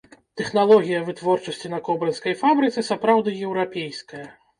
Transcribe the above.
Тэхналогія вытворчасці на кобрынскай фабрыцы сапраўды еўрапейская.